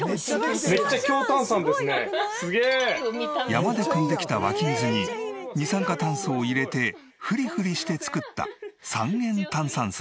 山でくんできた湧き水に二酸化炭素を入れてフリフリして作った３円炭酸水。